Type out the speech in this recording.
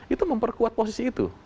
itu memperkuat posisi itu